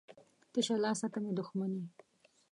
تشه لاسه ته مې دښمن یې